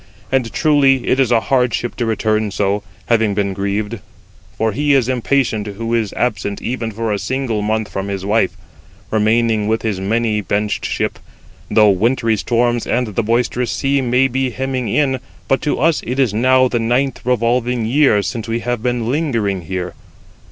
And truly it is a hardship to return [so], having been grieved. For he is impatient who is absent even for a single month from his wife, remaining with his many benched ship, 101 though wintry storms and the boisterous sea may be hemming in; 102 but to us it is [now] the ninth revolving year since we have been lingering here.